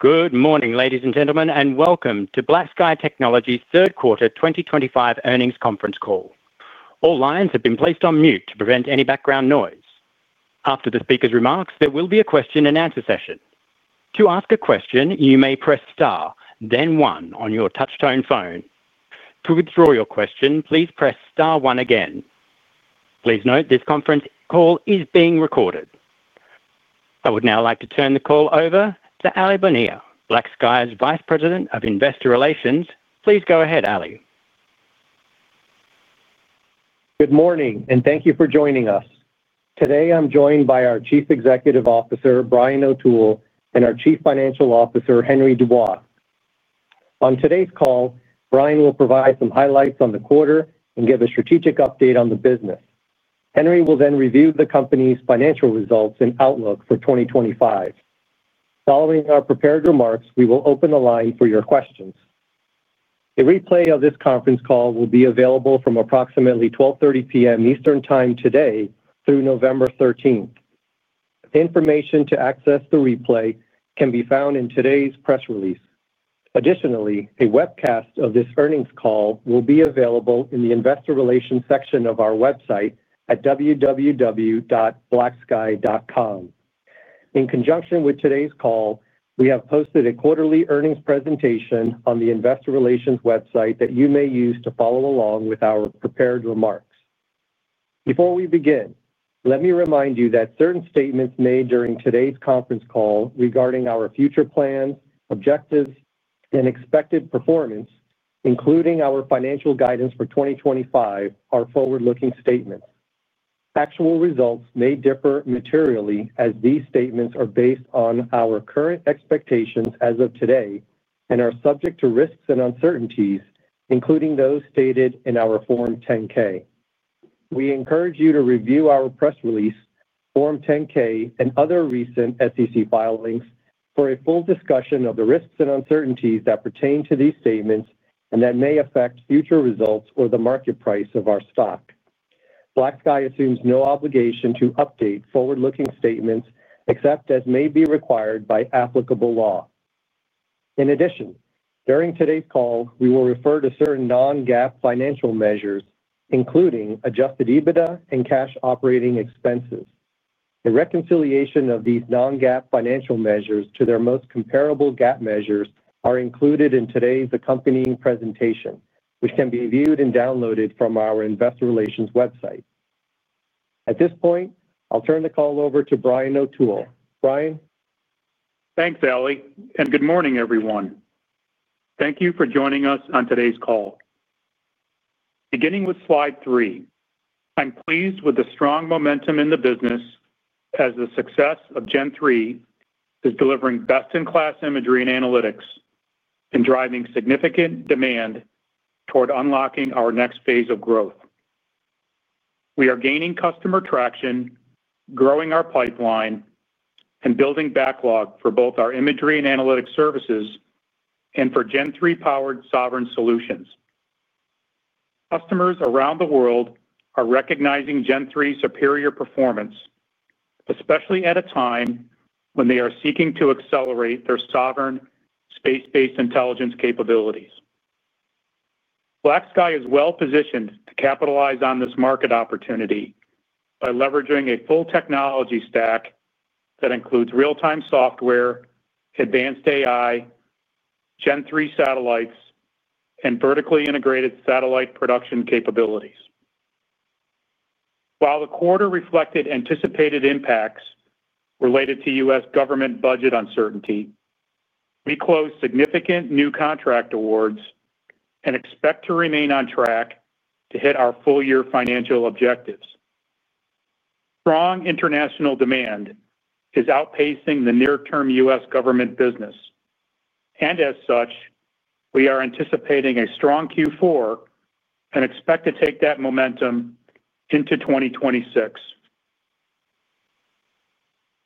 Good morning, ladies and gentlemen, and welcome to BlackSky Technology's third quarter 2025 earnings conference call. All lines have been placed on mute to prevent any background noise. After the speaker's remarks, there will be a question-and-answer session. To ask a question, you may press star, then one on your touch-tone phone. To withdraw your question, please press star one again. Please note this conference call is being recorded. I would now like to turn the call over to Aly Bonilla, BlackSky's Vice President of Investor Relations. Please go ahead, Aly. Good morning, and thank you for joining us. Today, I'm joined by our Chief Executive Officer, Brian O'Toole, and our Chief Financial Officer, Henry Dubois. On today's call, Brian will provide some highlights on the quarter and give a strategic update on the business. Henry will then review the company's financial results and outlook for 2025. Following our prepared remarks, we will open the line for your questions. A replay of this conference call will be available from approximately 12:30 P.M. Eastern Time today through November 13th. Information to access the replay can be found in today's press release. Additionally, a webcast of this earnings call will be available in the Investor Relations section of our website at www.BlackSky.com. In conjunction with today's call, we have posted a quarterly earnings presentation on the Investor Relations website that you may use to follow along with our prepared remarks. Before we begin, let me remind you that certain statements made during today's conference call regarding our future plans, objectives, and expected performance, including our financial guidance for 2025, are forward-looking statements. Actual results may differ materially as these statements are based on our current expectations as of today and are subject to risks and uncertainties, including those stated in our Form 10-K. We encourage you to review our press release, Form 10-K, and other recent SEC filings for a full discussion of the risks and uncertainties that pertain to these statements and that may affect future results or the market price of our stock. BlackSky assumes no obligation to update forward-looking statements except as may be required by applicable law. In addition, during today's call, we will refer to certain non-GAAP financial measures, including adjusted EBITDA and cash operating expenses. The reconciliation of these non-GAAP financial measures to their most comparable GAAP measures is included in today's accompanying presentation, which can be viewed and downloaded from our Investor Relations website. At this point, I'll turn the call over to Brian O'Toole. Brian. Thanks, Aly, and good morning, everyone. Thank you for joining us on today's call. Beginning with slide three, I'm pleased with the strong momentum in the business. As the success of Gen-3 is delivering best-in-class imagery and analytics and driving significant demand toward unlocking our next phase of growth. We are gaining customer traction, growing our pipeline, and building backlog for both our imagery and analytic services and for Gen-3-powered sovereign solutions. Customers around the world are recognizing Gen-3's superior performance, especially at a time when they are seeking to accelerate their sovereign space-based intelligence capabilities. BlackSky is well-positioned to capitalize on this market opportunity by leveraging a full technology stack that includes real-time software, advanced AI, Gen-3 satellites, and vertically integrated satellite production capabilities. While the quarter reflected anticipated impacts related to U.S. government budget uncertainty. We closed significant new contract awards and expect to remain on track to hit our full-year financial objectives. Strong international demand is outpacing the near-term U.S. government business. As such, we are anticipating a strong Q4. We expect to take that momentum into 2026.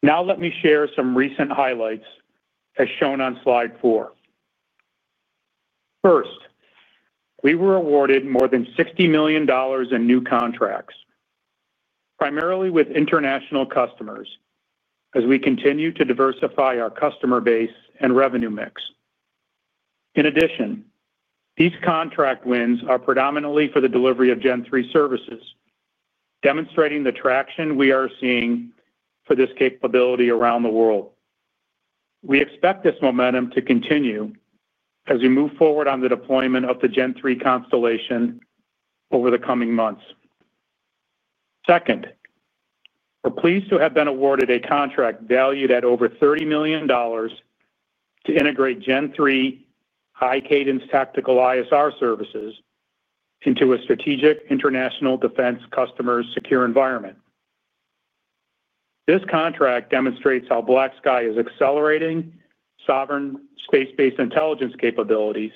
Now, let me share some recent highlights as shown on slide four. First, we were awarded more than $60 million in new contracts, primarily with international customers as we continue to diversify our customer base and revenue mix. In addition, these contract wins are predominantly for the delivery of Gen-3 services, demonstrating the traction we are seeing for this capability around the world. We expect this momentum to continue as we move forward on the deployment of the Gen-3 constellation over the coming months. Second, we're pleased to have been awarded a contract valued at over $30 million to integrate Gen-3. High-cadence tactical ISR services into a strategic international defense customer secure environment. This contract demonstrates how BlackSky is accelerating sovereign space-based intelligence capabilities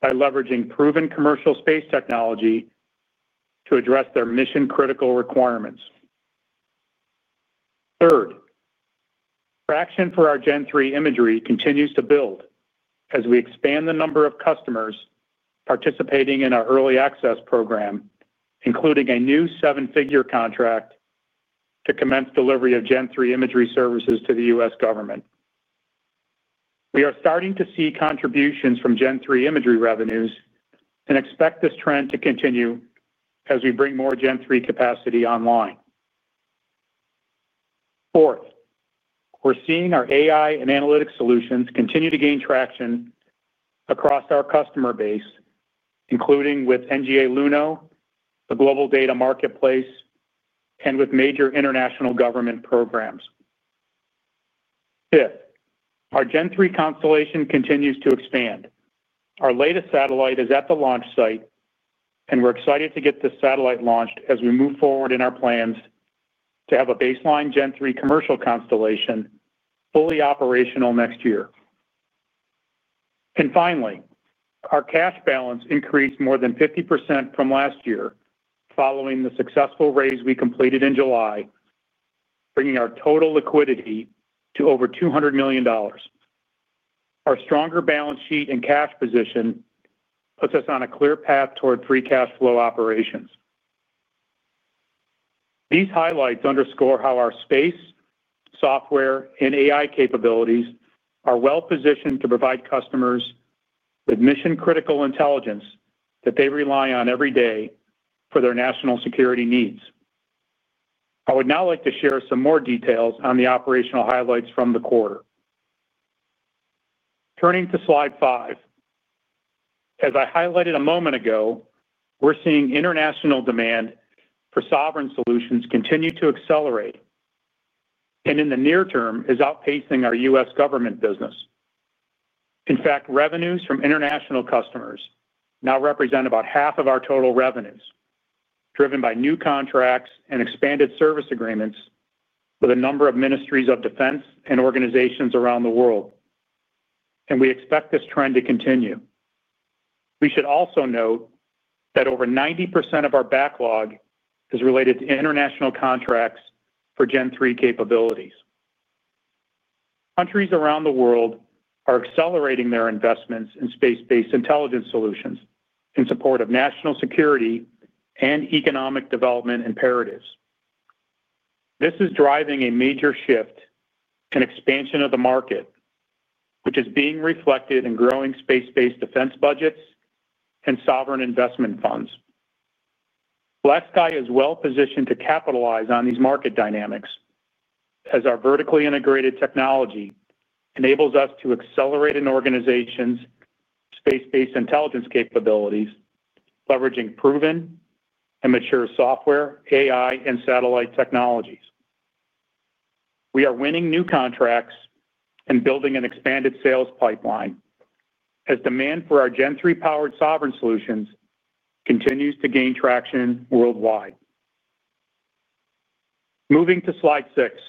by leveraging proven commercial space technology to address their mission-critical requirements. Third, traction for our Gen-3 imagery continues to build as we expand the number of customers participating in our early access program, including a new seven-figure contract to commence delivery of Gen-3 imagery services to the U.S. government. We are starting to see contributions from Gen-3 imagery revenues and expect this trend to continue as we bring more Gen-3 capacity online. Fourth, we are seeing our AI and analytic solutions continue to gain traction across our customer base, including with NGA Luno, the Global Data Marketplace, and with major international government programs. Fifth, our Gen-3 constellation continues to expand. Our latest satellite is at the launch site, and we're excited to get this satellite launched as we move forward in our plans to have a baseline Gen-3 commercial constellation fully operational next year. Finally, our cash balance increased more than 50% from last year following the successful raise we completed in July, bringing our total liquidity to over $200 million. Our stronger balance sheet and cash position puts us on a clear path toward free cash flow operations. These highlights underscore how our space, software, and AI capabilities are well-positioned to provide customers with mission-critical intelligence that they rely on every day for their national security needs. I would now like to share some more details on the operational highlights from the quarter. Turning to slide five. As I highlighted a moment ago, we're seeing international demand for sovereign solutions continue to accelerate. In the near term, it is outpacing our U.S. government business. In fact, revenues from international customers now represent about half of our total revenues, driven by new contracts and expanded service agreements with a number of ministries of defense and organizations around the world. We expect this trend to continue. We should also note that over 90% of our backlog is related to international contracts for Gen-3 capabilities. Countries around the world are accelerating their investments in space-based intelligence solutions in support of national security and economic development imperatives. This is driving a major shift and expansion of the market, which is being reflected in growing space-based defense budgets and sovereign investment funds. BlackSky is well-positioned to capitalize on these market dynamics as our vertically integrated technology enables us to accelerate an organization's space-based intelligence capabilities, leveraging proven and mature software, AI, and satellite technologies. We are winning new contracts and building an expanded sales pipeline as demand for our Gen-3-powered sovereign solutions continues to gain traction worldwide. Moving to slide six,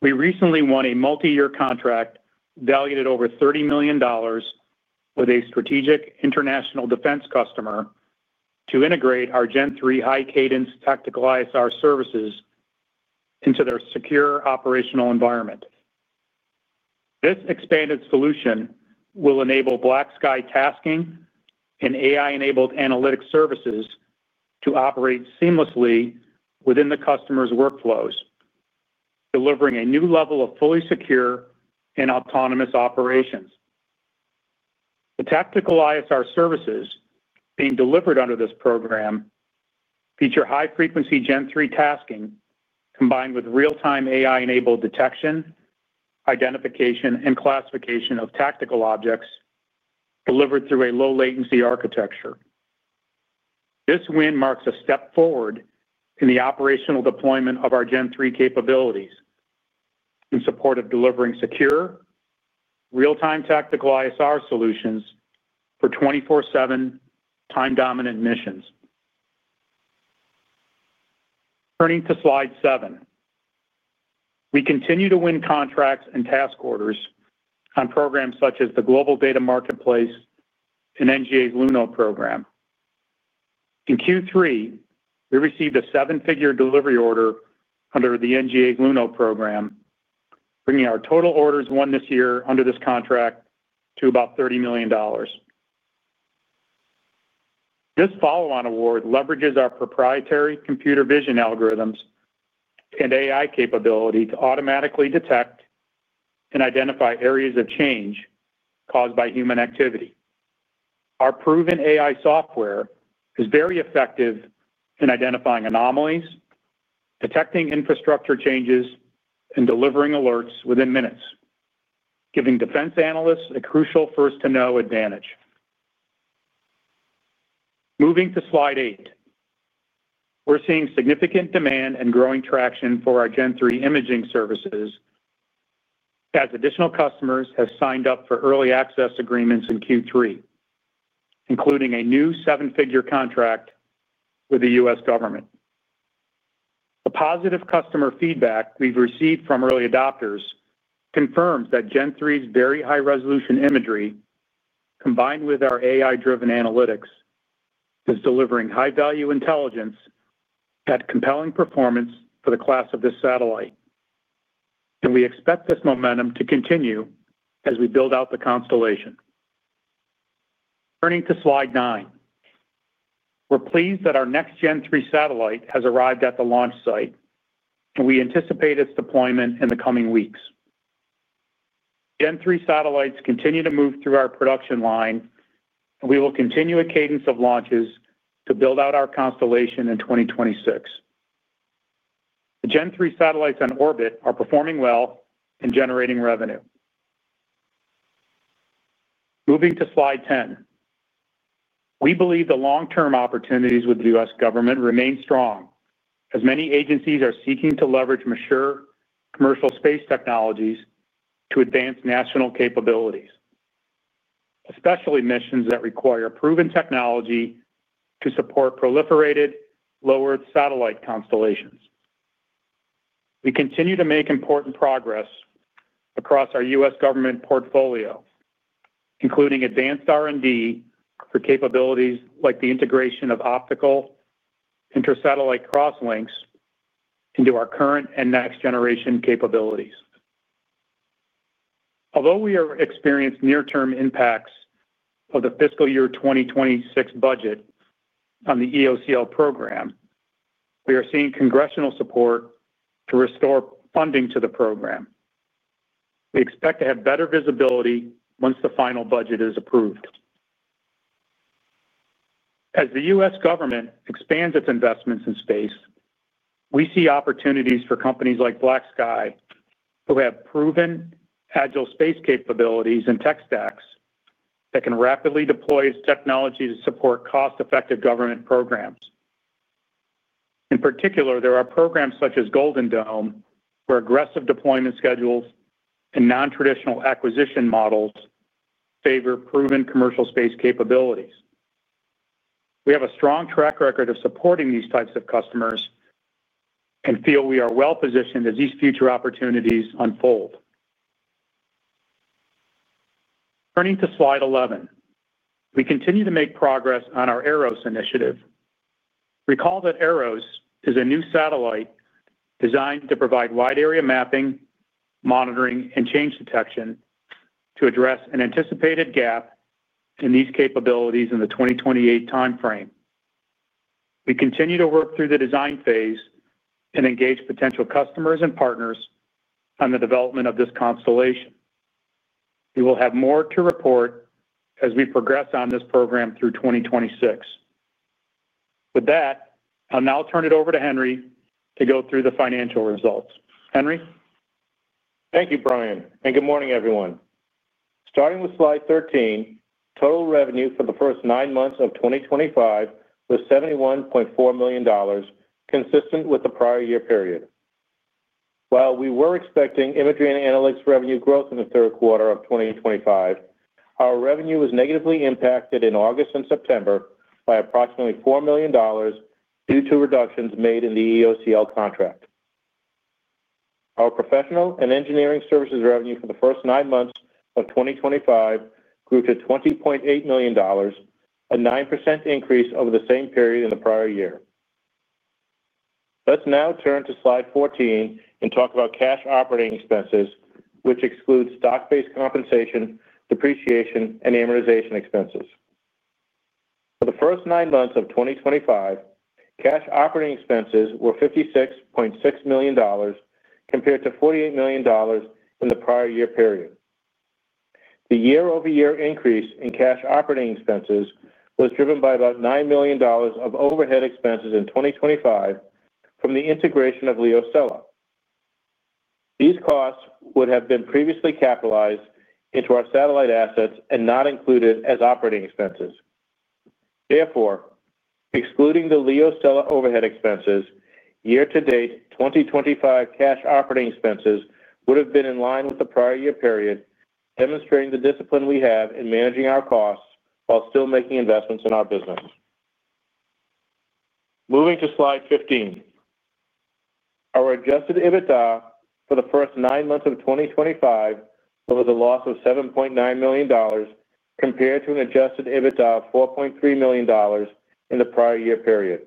we recently won a multi-year contract valued at over $30 million with a strategic international defense customer to integrate our Gen-3 high-cadence tactical ISR services into their secure operational environment. This expanded solution will enable BlackSky tasking and AI-enabled analytic services to operate seamlessly within the customer's workflows, delivering a new level of fully secure and autonomous operations. The tactical ISR services being delivered under this program feature high-frequency Gen-3 tasking combined with real-time AI-enabled detection, identification, and classification of tactical objects, delivered through a low-latency architecture. This win marks a step forward in the operational deployment of our Gen-3 capabilities in support of delivering secure, real-time tactical ISR solutions for 24/7 time-dominant missions. Turning to slide seven. We continue to win contracts and task orders on programs such as the Global Data Marketplace and NGA's Luno program. In Q3, we received a seven-figure delivery order under the NGA's Luno program, bringing our total orders won this year under this contract to about $30 million. This follow-on award leverages our proprietary computer vision algorithms and AI capability to automatically detect and identify areas of change caused by human activity. Our proven AI software is very effective in identifying anomalies, detecting infrastructure changes, and delivering alerts within minutes, giving defense analysts a crucial first-to-know advantage. Moving to slide eight, we're seeing significant demand and growing traction for our Gen-3 imaging services as additional customers have signed up for early access agreements in Q3, including a new seven-figure contract with the U.S. government. The positive customer feedback we've received from early adopters confirms that Gen-3's very high-resolution imagery, combined with our AI-driven analytics, is delivering high-value intelligence at compelling performance for the class of this satellite. We expect this momentum to continue as we build out the constellation. Turning to slide nine, we're pleased that our next Gen-3 satellite has arrived at the launch site, and we anticipate its deployment in the coming weeks. Gen-3 satellites continue to move through our production line, and we will continue a cadence of launches to build out our constellation in 2026. The Gen-3 satellites on orbit are performing well and generating revenue. Moving to slide ten, we believe the long-term opportunities with the U.S. government remain strong as many agencies are seeking to leverage mature commercial space technologies to advance national capabilities. Especially missions that require proven technology to support proliferated low-Earth satellite constellations. We continue to make important progress across our U.S. government portfolio, including advanced R&D for capabilities like the integration of optical intersatellite crosslinks into our current and next-generation capabilities. Although we have experienced near-term impacts of the fiscal year 2026 budget on the EOCL program, we are seeing congressional support to restore funding to the program. We expect to have better visibility once the final budget is approved. As the U.S. government expands its investments in space, we see opportunities for companies like BlackSky who have proven agile space capabilities and tech stacks that can rapidly deploy technology to support cost-effective government programs. In particular, there are programs such as Golden Dome where aggressive deployment schedules and non-traditional acquisition models favor proven commercial space capabilities. We have a strong track record of supporting these types of customers. Feel we are well-positioned as these future opportunities unfold. Turning to slide 11, we continue to make progress on our EROS initiative. Recall that EROS is a new satellite designed to provide wide-area mapping, monitoring, and change detection to address an anticipated gap in these capabilities in the 2028 timeframe. We continue to work through the design phase and engage potential customers and partners on the development of this constellation. We will have more to report as we progress on this program through 2026. With that, I'll now turn it over to Henry to go through the financial results. Henry? Thank you, Brian. Good morning, everyone. Starting with slide 13, total revenue for the first nine months of 2025 was $71.4 million, consistent with the prior year period. While we were expecting imagery and analytics revenue growth in the third quarter of 2025, our revenue was negatively impacted in August and September by approximately $4 million due to reductions made in the EOCL contract. Our professional and engineering services revenue for the first nine months of 2025 grew to $20.8 million, a 9% increase over the same period in the prior year. Let's now turn to slide 14 and talk about cash operating expenses, which excludes stock-based compensation, depreciation, and amortization expenses. For the first nine months of 2025, cash operating expenses were $56.6 million compared to $48 million in the prior year period. The year-over-year increase in cash operating expenses was driven by about $9 million of overhead expenses in 2025 from the integration of LeoStella. These costs would have been previously capitalized into our satellite assets and not included as operating expenses. Therefore, excluding the LeoStella overhead expenses, year-to-date 2025 cash operating expenses would have been in line with the prior year period, demonstrating the discipline we have in managing our costs while still making investments in our business. Moving to slide 15. Our adjusted EBITDA for the first nine months of 2025 was a loss of $7.9 million. Compared to an adjusted EBITDA of $4.3 million in the prior year period.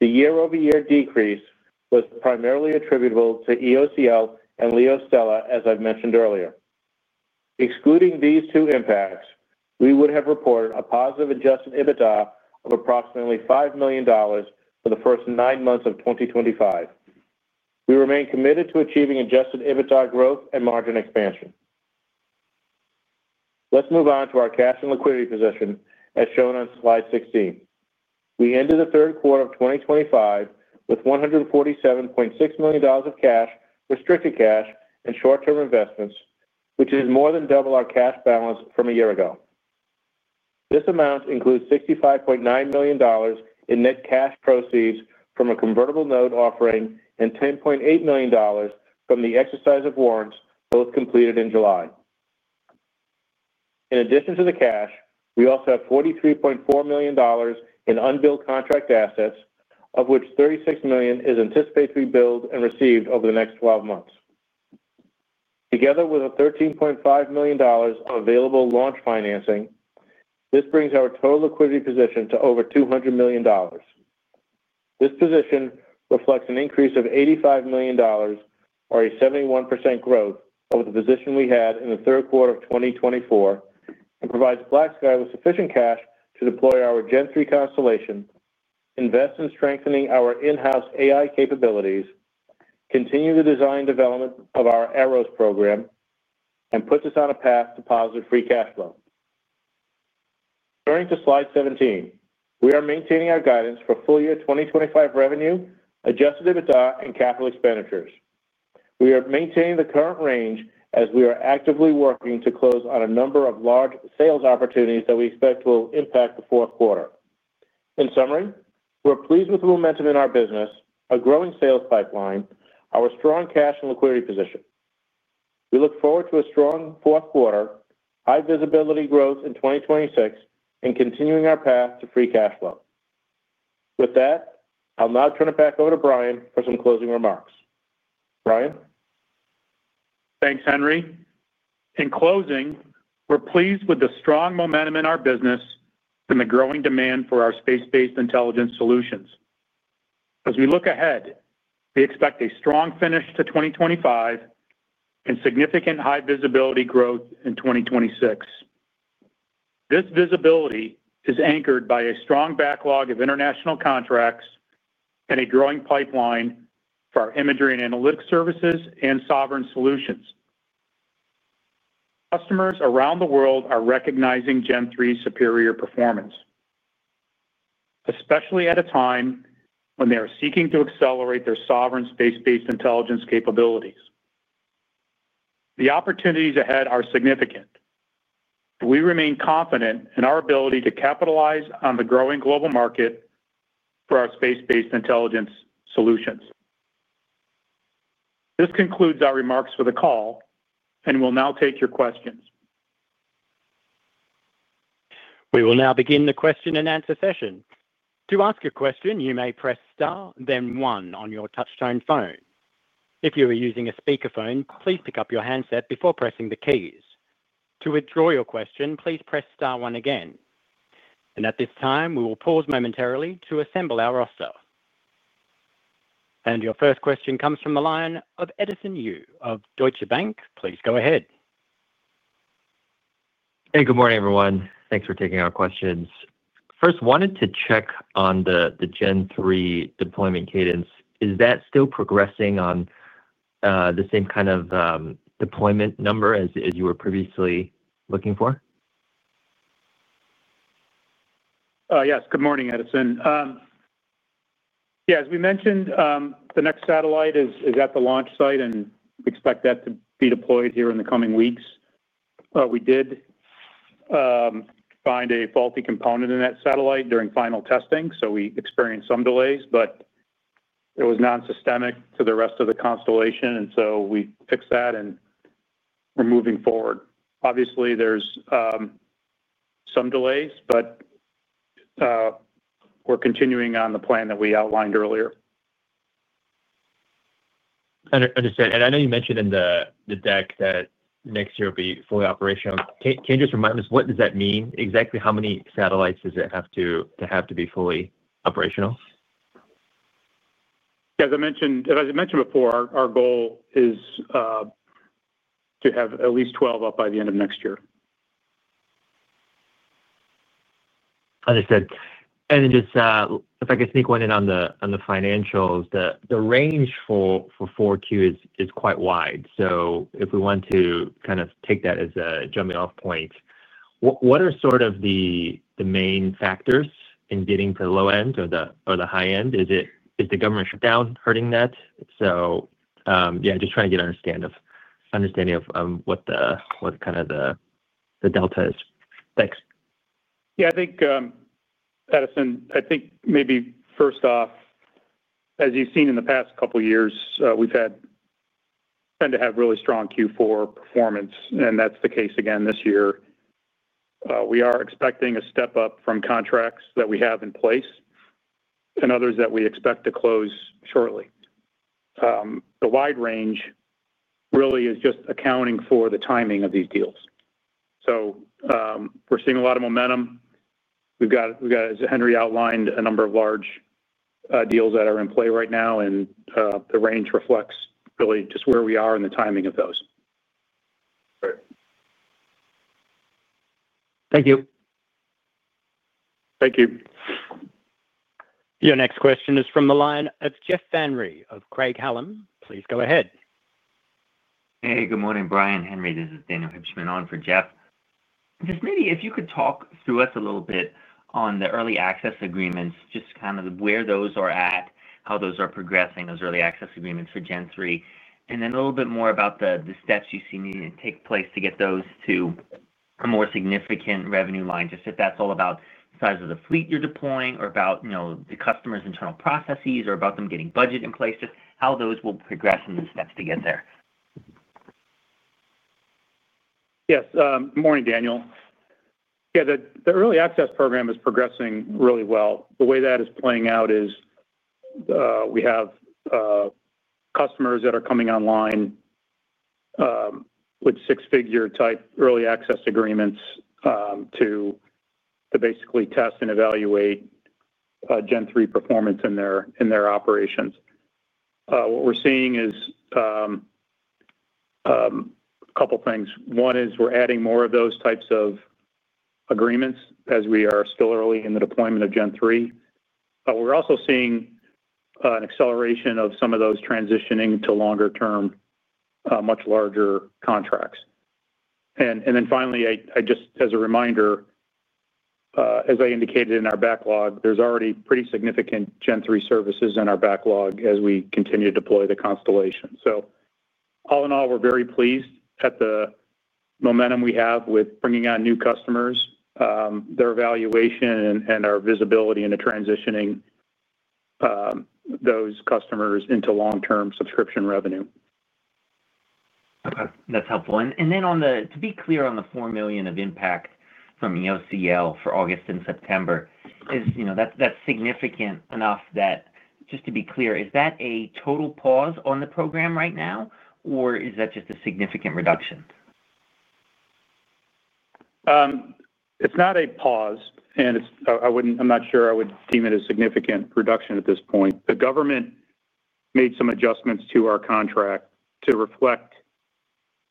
The year-over-year decrease was primarily attributable to EOCL and LeoStella, as I've mentioned earlier. Excluding these two impacts, we would have reported a positive adjusted EBITDA of approximately $5 million for the first nine months of 2025. We remain committed to achieving adjusted EBITDA growth and margin expansion. Let's move on to our cash and liquidity position, as shown on slide 16. We ended the third quarter of 2025 with $147.6 million of cash, restricted cash, and short-term investments, which is more than double our cash balance from a year ago. This amount includes $65.9 million in net cash proceeds from a convertible note offering and $10.8 million from the exercise of warrants, both completed in July. In addition to the cash, we also have $43.4 million in unbilled contract assets, of which $36 million is anticipated to be billed and received over the next 12 months. Together with $13.5 million of available launch financing, this brings our total liquidity position to over $200 million. This position reflects an increase of $85 million, or a 71% growth, over the position we had in the third quarter of 2024 and provides BlackSky with sufficient cash to deploy our Gen-3 constellation, invest in strengthening our in-house AI capabilities, continue the design development of our EROS program, and puts us on a path to positive free cash flow. Turning to slide 17, we are maintaining our guidance for full year 2025 revenue, adjusted EBITDA, and capital expenditures. We are maintaining the current range as we are actively working to close on a number of large sales opportunities that we expect will impact the fourth quarter. In summary, we're pleased with the momentum in our business, our growing sales pipeline, our strong cash and liquidity position. We look forward to a strong fourth quarter, high visibility growth in 2026, and continuing our path to free cash flow. With that, I'll now turn it back over to Brian for some closing remarks. Brian. Thanks, Henry. In closing, we're pleased with the strong momentum in our business and the growing demand for our space-based intelligence solutions. As we look ahead, we expect a strong finish to 2025 and significant high visibility growth in 2026. This visibility is anchored by a strong backlog of international contracts and a growing pipeline for our imagery and analytics services and sovereign solutions. Customers around the world are recognizing Gen-3's superior performance, especially at a time when they are seeking to accelerate their sovereign space-based intelligence capabilities. The opportunities ahead are significant. We remain confident in our ability to capitalize on the growing global market for our space-based intelligence solutions. This concludes our remarks for the call, and we'll now take your questions. We will now begin the question and answer session. To ask a question, you may press Star, then one on your touch-tone phone. If you are using a speakerphone, please pick up your handset before pressing the keys. To withdraw your question, please press star one again. At this time, we will pause momentarily to assemble our roster. Your first question comes from the line of Edison Yu of Deutsche Bank. Please go ahead. Hey, good morning, everyone. Thanks for taking our questions. First, wanted to check on the Gen-3 deployment cadence. Is that still progressing on the same kind of deployment number as you were previously looking for? Yes. Good morning, Edison. Yeah, as we mentioned, the next satellite is at the launch site, and we expect that to be deployed here in the coming weeks. We did find a faulty component in that satellite during final testing, so we experienced some delays, but. It was non-systemic to the rest of the constellation, and so we fixed that and we're moving forward. Obviously, there's some delays, but we're continuing on the plan that we outlined earlier. Understood. I know you mentioned in the deck that next year will be fully operational. Can you just remind us, what does that mean? Exactly how many satellites does it have to be fully operational? As I mentioned before, our goal is to have at least 12 up by the end of next year. Understood. If I could sneak one in on the financials, the range for Q4 is quite wide. If we want to kind of take that as a jumping-off point, what are sort of the main factors in getting to the low end or the high end? Is the government shutdown hurting that? Yeah, just trying to get an understanding of what kind of the delta is. Thanks. Yeah, I think. Edison, I think maybe first off, as you've seen in the past couple of years, we've had, tend to have really strong Q4 performance, and that's the case again this year. We are expecting a step up from contracts that we have in place and others that we expect to close shortly. The wide range really is just accounting for the timing of these deals. We're seeing a lot of momentum. We've got, as Henry outlined, a number of large deals that are in play right now, and the range reflects really just where we are and the timing of those. Great. Thank you. Thank you. Your next question is from the line of Jeff Van Rhee of Craig-Hallum. Please go ahead. Hey, good morning, Brian. Henry, this is Daniel Hibshman on for Jeff. Just maybe if you could talk through us a little bit on the early access agreements, just kind of where those are at, how those are progressing, those early access agreements for Gen-3, and then a little bit more about the steps you see needing to take place to get those to a more significant revenue line, just if that's all about the size of the fleet you're deploying or about the customer's internal processes or about them getting budget in place, just how those will progress and the steps to get there. Yes. Good morning, Daniel. Yeah, the early access program is progressing really well. The way that is playing out is we have customers that are coming online with six-figure-type early access agreements to basically test and evaluate Gen-3 performance in their operations. What we're seeing is. A couple of things. One is we're adding more of those types of agreements as we are still early in the deployment of Gen-3. We're also seeing an acceleration of some of those transitioning to longer-term, much larger contracts. Finally, just as a reminder, as I indicated in our backlog, there's already pretty significant Gen-3 services in our backlog as we continue to deploy the constellation. All in all, we're very pleased at the momentum we have with bringing on new customers, their evaluation, and our visibility into transitioning those customers into long-term subscription revenue. Okay. That's helpful. To be clear on the $4 million of impact from EOCL for August and September, that's significant enough that just to be clear, is that a total pause on the program right now, or is that just a significant reduction? It's not a pause, and I'm not sure I would deem it a significant reduction at this point. The government made some adjustments to our contract to reflect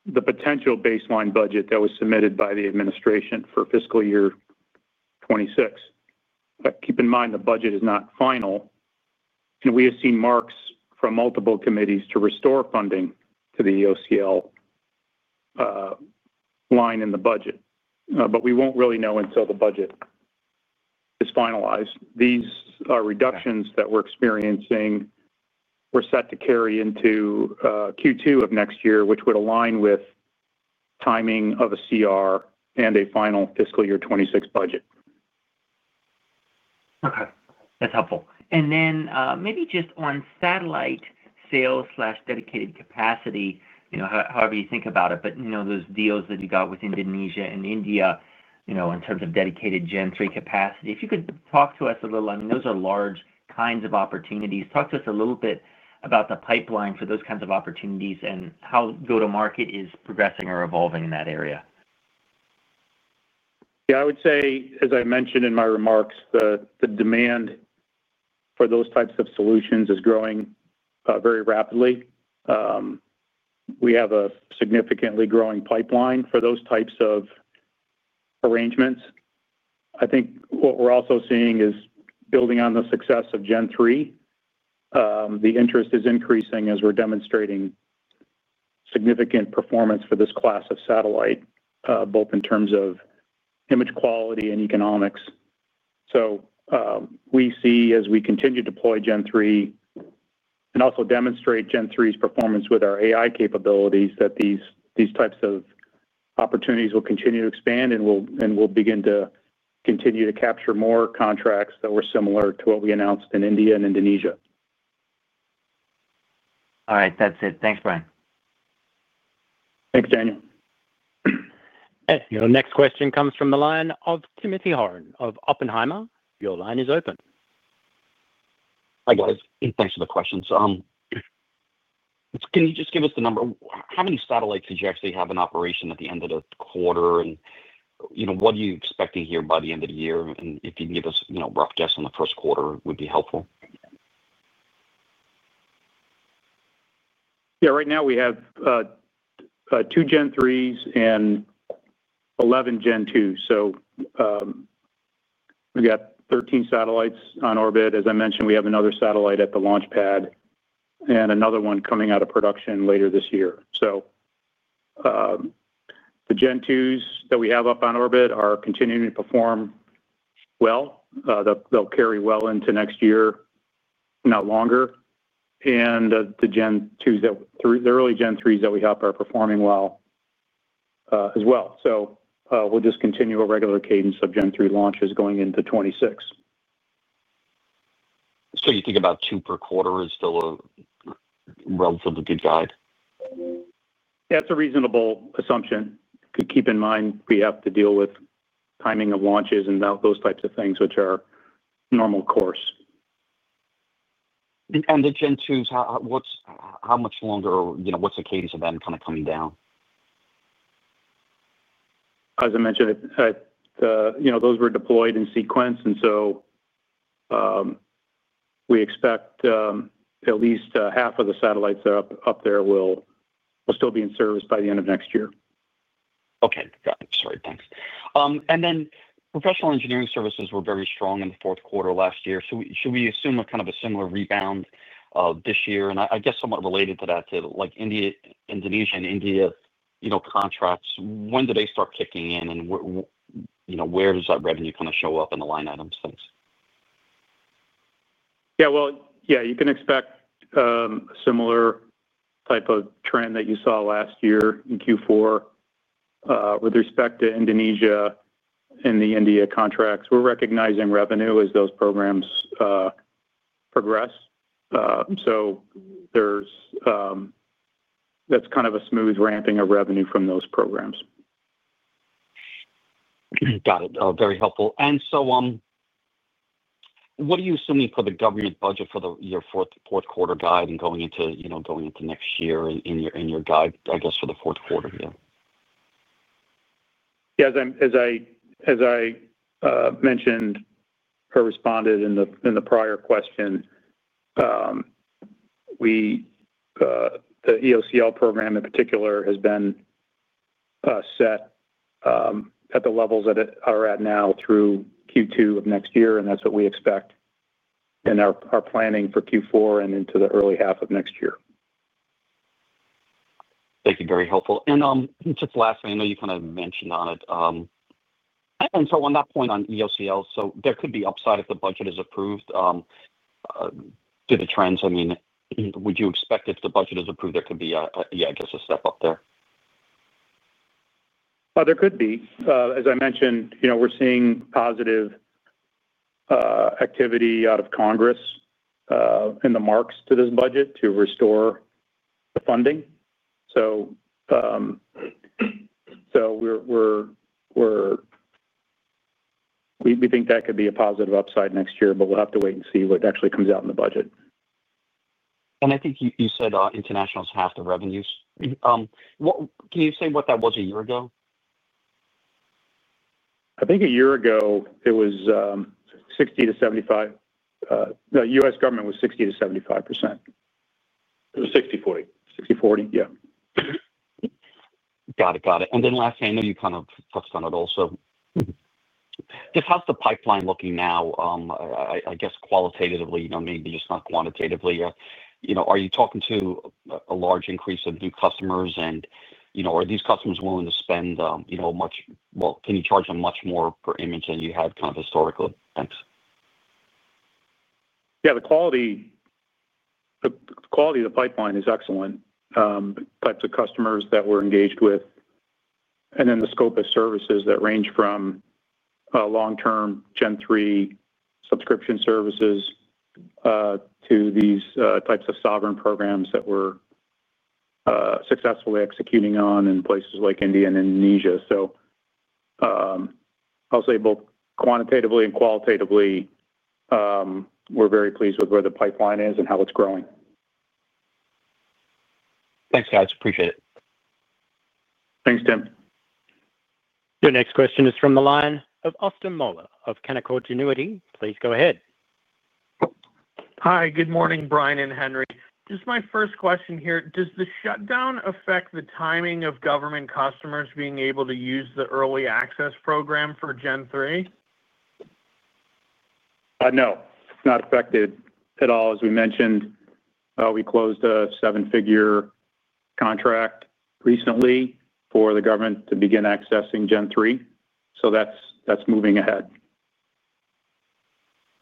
the potential baseline budget that was submitted by the administration for fiscal year 2026. Keep in mind the budget is not final. We have seen marks from multiple committees to restore funding to the EOCL line in the budget. We won't really know until the budget is finalized. These reductions that we're experiencing were set to carry into Q2 of next year, which would align with timing of a CR and a final fiscal year 2026 budget. Okay. That's helpful. Maybe just on satellite sales/dedicated capacity, however you think about it, but those deals that you got with Indonesia and India in terms of dedicated Gen-3 capacity, if you could talk to us a little, I mean, those are large kinds of opportunities. Talk to us a little bit about the pipeline for those kinds of opportunities and how go-to-market is progressing or evolving in that area. I would say, as I mentioned in my remarks, the demand for those types of solutions is growing very rapidly. We have a significantly growing pipeline for those types of arrangements. I think what we're also seeing is building on the success of Gen-3. The interest is increasing as we're demonstrating significant performance for this class of satellite, both in terms of image quality and economics. We see as we continue to deploy Gen-3. And also demonstrate Gen-3's performance with our AI capabilities that these types of opportunities will continue to expand and will begin to continue to capture more contracts that were similar to what we announced in India and Indonesia. All right. That's it. Thanks, Brian. Thanks, Daniel. Next question comes from the line of Timothy Horan of Oppenheimer. Your line is open. Hi, guys. Thanks for the questions. Can you just give us the number? How many satellites did you actually have in operation at the end of the quarter? And what are you expecting here by the end of the year? And if you can give us a rough guess on the first quarter, it would be helpful. Yeah. Right now, we have two Gen-3s and 11 Gen-2s. We've got thirteen satellites on orbit. As I mentioned, we have another satellite at the launch pad. Another one is coming out of production later this year. The Gen-2s that we have up on orbit are continuing to perform well. They'll carry well into next year, if not longer. The early Gen-3s that we have are performing well as well. We will just continue a regular cadence of Gen-3 launches going into 2026. If you think about two per quarter, that is still a relatively good guide. That is a reasonable assumption. Keep in mind we have to deal with timing of launches and those types of things, which are normal course. The Gen-2s, how much longer or what is the cadence of them kind of coming down? As I mentioned, those were deployed in sequence. We expect at least half of the satellites that are up there will still be in service by the end of next year. Okay. Got it. Sorry. Thanks. And then professional engineering services were very strong in the fourth quarter last year. Should we assume kind of a similar rebound this year? I guess somewhat related to that, too. Indonesia and India contracts, when do they start kicking in, and where does that revenue kind of show up in the line items? Thanks. Yeah. Yeah, you can expect a similar type of trend that you saw last year in Q4. With respect to Indonesia and the India contracts, we are recognizing revenue as those programs progress. That is kind of a smooth ramping of revenue from those programs. Got it. Very helpful. What are you assuming for the government budget for your fourth quarter guide and going into next year in your guide, I guess, for the fourth quarter here? Yeah. As I mentioned or responded in the prior question. The EOCL program in particular has been set at the levels that it are at now through Q2 of next year, and that's what we expect in our planning for Q4 and into the early half of next year. Thank you. Very helpful. Just lastly, I know you kind of mentioned on it. On that point on EOCL, there could be upside if the budget is approved. To the trends, I mean, would you expect if the budget is approved, there could be, yeah, I guess, a step up there? There could be. As I mentioned, we're seeing positive activity out of Congress in the marks to this budget to restore the funding. We think that could be a positive upside next year, but we'll have to wait and see what actually comes out in the budget. I think you said international is half the revenues. Can you say what that was a year ago? I think a year ago, it was 60%-75%. The U.S. government was 60%-75%. It was 60/40. 60/40. Got it. Got it. Lastly, I know you kind of touched on it also. Just how's the pipeline looking now? I guess qualitatively, maybe just not quantitatively. Are you talking to a large increase of new customers, and are these customers willing to spend much? Can you charge them much more per image than you had kind of historically? Thanks. The quality of the pipeline is excellent. Types of customers that we're engaged with, and then the scope of services that range from long-term Gen-3 subscription services to these types of sovereign programs that we're. Successfully executing on in places like India and Indonesia. I'll say both quantitatively and qualitatively. We're very pleased with where the pipeline is and how it's growing. Thanks, guys. Appreciate it. Thanks, Tim. Your next question is from the line of Austin Moller of Canaccord Genuity. Please go ahead. Hi. Good morning, Brian and Henry. Just my first question here. Does the shutdown affect the timing of government customers being able to use the early access program for Gen-3? No. It's not affected at all. As we mentioned, we closed a seven-figure contract recently for the government to begin accessing Gen-3. So that's moving ahead.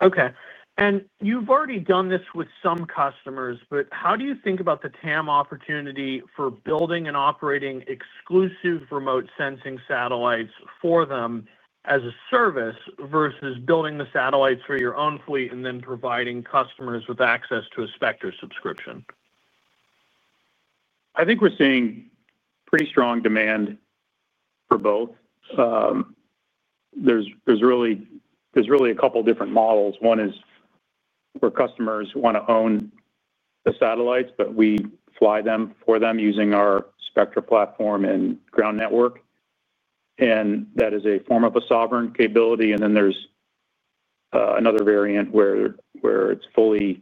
Okay. You have already done this with some customers, but how do you think about the TAM opportunity for building and operating exclusive remote sensing satellites for them as a service versus building the satellites for your own fleet and then providing customers with access to a Spectre subscription? I think we are seeing pretty strong demand for both. There are really a couple of different models. One is where customers want to own the satellites, but we fly them for them using our Spectre platform and ground network. That is a form of a sovereign capability. There is another variant where it is fully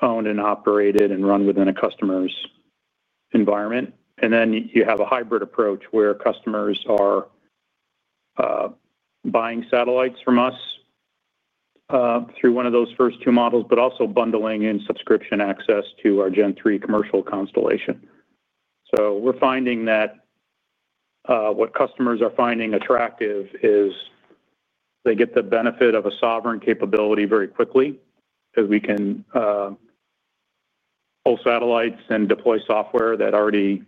owned and operated and run within a customer's environment. You also have a hybrid approach where customers are buying satellites from us through one of those first two models, but also bundling in subscription access to our Gen-3 commercial constellation. We are finding that. What customers are finding attractive is they get the benefit of a sovereign capability very quickly because we can pull satellites and deploy software that already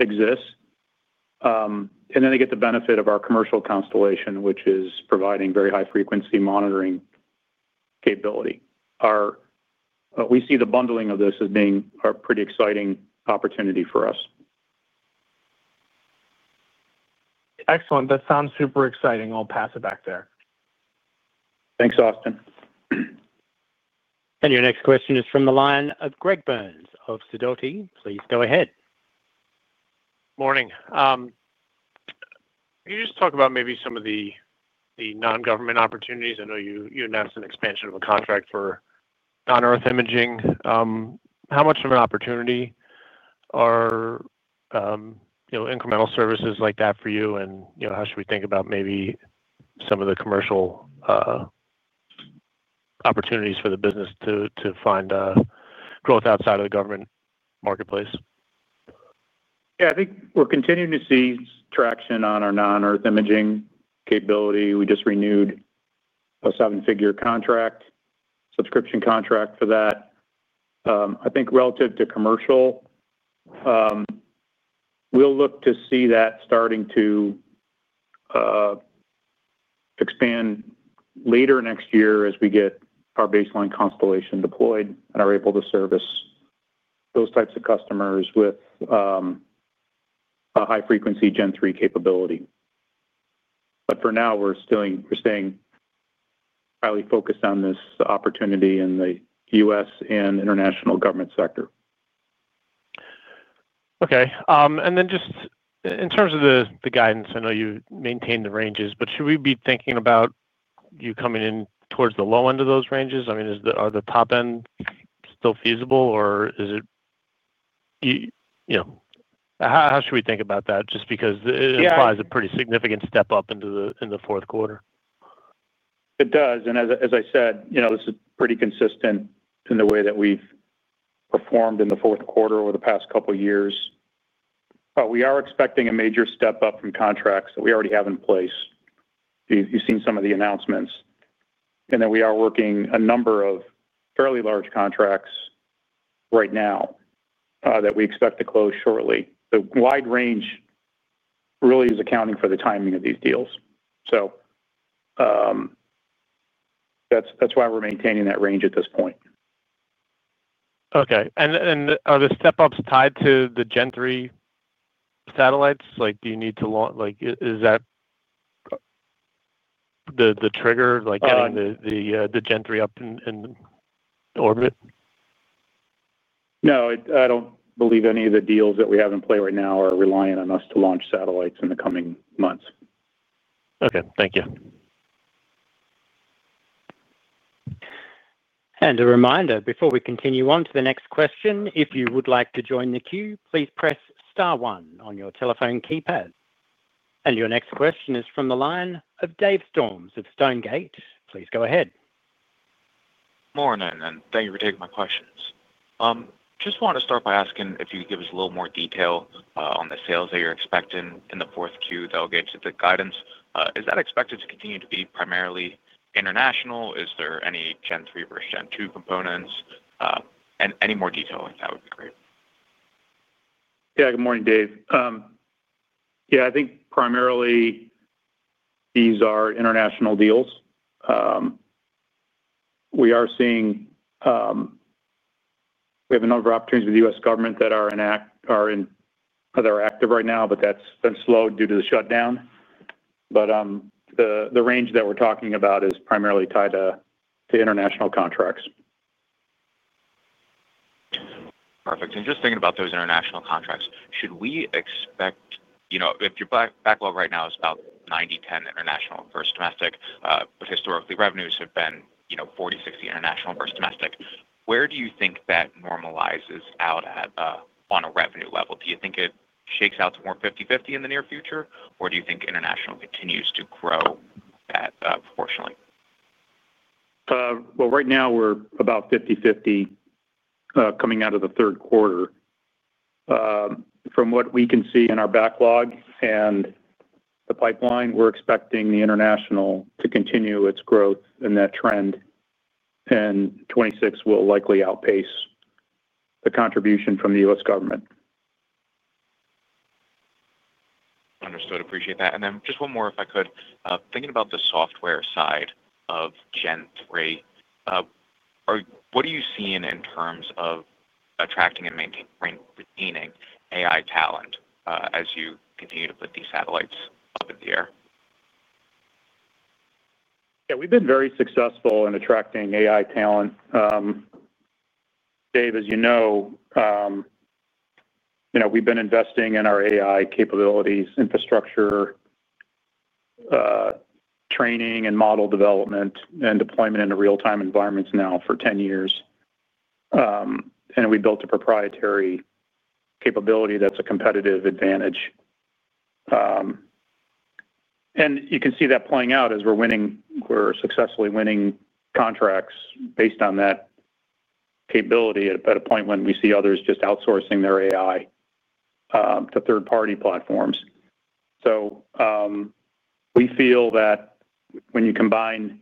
exists. They get the benefit of our commercial constellation, which is providing very high-frequency monitoring capability. We see the bundling of this as being a pretty exciting opportunity for us. Excellent. That sounds super exciting. I'll pass it back there. Thanks, Austin. Your next question is from the line of Greg Burns of Sidoti. Please go ahead. Morning. Can you just talk about maybe some of the non-government opportunities? I know you announced an expansion of a contract for on Earth imaging. How much of an opportunity are incremental services like that for you? How should we think about maybe some of the commercial opportunities for the business to find growth outside of the government marketplace? Yeah. I think we're continuing to see traction on our non-Earth imaging capability. We just renewed a seven-figure subscription contract for that. I think relative to commercial, we'll look to see that starting to expand later next year as we get our baseline constellation deployed and are able to service those types of customers with a high-frequency Gen-3 capability. For now, we're staying highly focused on this opportunity in the U.S. and international government sector. Okay. In terms of the guidance, I know you maintain the ranges, but should we be thinking about you coming in towards the low end of those ranges? I mean, are the top end still feasible, or is it, how should we think about that? Just because it implies a pretty significant step up in the fourth quarter. It does. As I said, this is pretty consistent in the way that we've performed in the fourth quarter over the past couple of years. We are expecting a major step up from contracts that we already have in place. You've seen some of the announcements. We are working a number of fairly large contracts right now that we expect to close shortly. The wide range really is accounting for the timing of these deals. That is why we're maintaining that range at this point. Okay. Are the step-ups tied to the Gen-3 satellites? Do you need to—is that the trigger, getting the Gen-3 up in orbit? No. I do not believe any of the deals that we have in play right now are relying on us to launch satellites in the coming months. Okay. Thank you. A reminder, before we continue on to the next question, if you would like to join the queue, please press star one on your telephone keypad. Your next question is from the line of Dave Storms of StoneGate. Please go ahead. Good morning, and thank you for taking my questions. Just wanted to start by asking if you could give us a little more detail on the sales that you're expecting in the fourth Q that will get you the guidance. Is that expected to continue to be primarily international? Is there any Gen-3 versus Gen-2 components? Any more detail like that would be great. Yeah. Good morning, Dave. Yeah. I think primarily these are international deals. We are seeing we have a number of opportunities with the U.S. government that are active right now, but that's been slowed due to the shutdown. The range that we're talking about is primarily tied to international contracts. Perfect. And just thinking about those international contracts, should we expect— If your backlog right now is about 90/10 international versus domestic, but historically revenues have been 40/60 international versus domestic, where do you think that normalizes out on a revenue level? Do you think it shakes out to more 50/50 in the near future, or do you think international continues to grow proportionally? Right now, we're about 50/50 coming out of the third quarter. From what we can see in our backlog and the pipeline, we're expecting the international to continue its growth in that trend. And 2026 will likely outpace the contribution from the U.S. government. Understood. Appreciate that. And then just one more, if I could. Thinking about the software side of Gen-3. What are you seeing in terms of. Attracting and maintaining AI talent as you continue to put these satellites up in the air? Yeah. We've been very successful in attracting AI talent, Dave, as you know. We've been investing in our AI capabilities, infrastructure, training, and model development, and deployment into real-time environments now for 10 years. We built a proprietary capability that's a competitive advantage, and you can see that playing out as we're successfully winning contracts based on that capability at a point when we see others just outsourcing their AI to third-party platforms. We feel that when you combine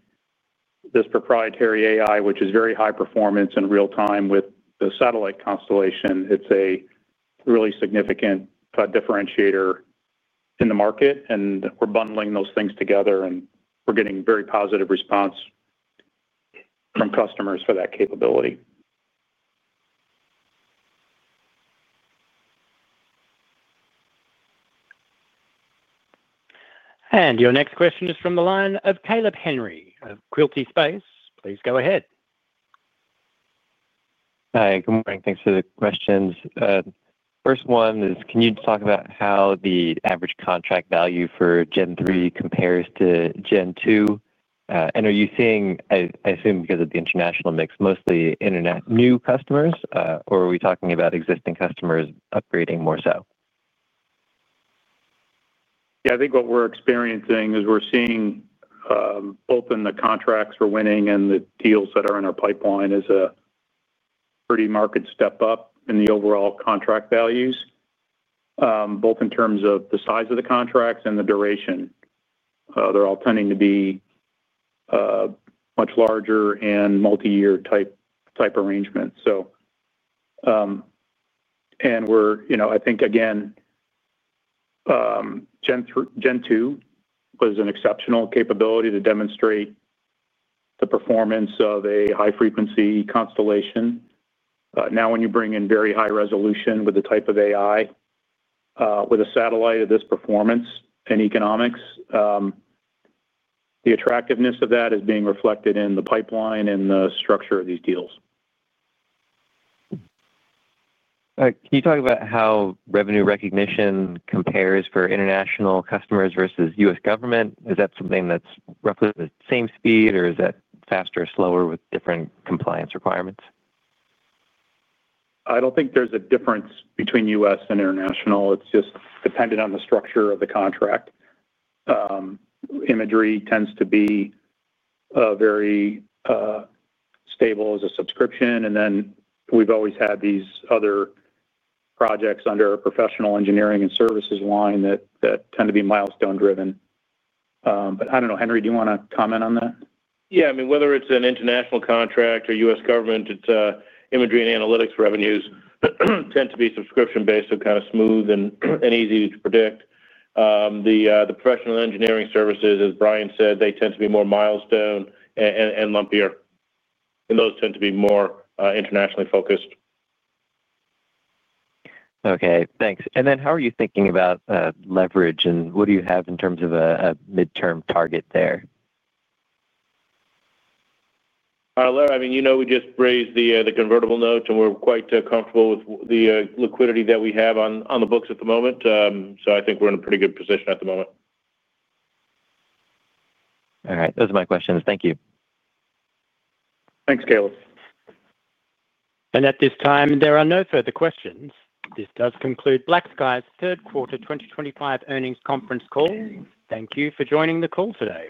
this proprietary AI, which is very high performance in real time, with the satellite constellation, it's a really significant differentiator in the market. We're bundling those things together, and we're getting very positive response from customers for that capability. Your next question is from the line of Caleb Henry of Quilty Space. Please go ahead. Hi. Good morning. Thanks for the questions. First one is, can you talk about how the average contract value for Gen-3 compares to Gen-2? And are you seeing, I assume because of the international mix, mostly new customers, or are we talking about existing customers upgrading more so? Yeah. I think what we're experiencing is we're seeing both in the contracts we're winning and the deals that are in our pipeline is a pretty marked step up in the overall contract values, both in terms of the size of the contracts and the duration. They're all tending to be much larger and multi-year type arrangements. I think, again, Gen-2 was an exceptional capability to demonstrate the performance of a high-frequency constellation. Now, when you bring in very high resolution with the type of AI. With a satellite of this performance and economics. The attractiveness of that is being reflected in the pipeline and the structure of these deals. Can you talk about how revenue recognition compares for international customers versus U.S. government? Is that something that's roughly the same speed, or is that faster or slower with different compliance requirements? I do not think there's a difference between U.S. and international. It's just dependent on the structure of the contract. Imagery tends to be very stable as a subscription. And then we've always had these other projects under our professional engineering and services line that tend to be milestone-driven. I do not know, Henry, do you want to comment on that? Yeah. I mean, whether it's an international contract or U.S. government, imagery and analytics revenues tend to be subscription-based, so kind of smooth and easy to predict. The professional engineering services, as Brian said, they tend to be more milestone and lumpier, and those tend to be more internationally focused. Okay. Thanks. Then how are you thinking about leverage, and what do you have in terms of a midterm target there? I mean, we just raised the convertible notes, and we're quite comfortable with the liquidity that we have on the books at the moment. I think we're in a pretty good position at the moment. All right. Those are my questions. Thank you. Thanks, Caleb. At this time, there are no further questions. This does conclude BlackSky's third quarter 2025 earnings conference call. Thank you for joining the call today.